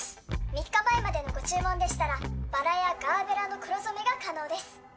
３日前までのご注文でしたらバラやガーベラの黒染めが可能です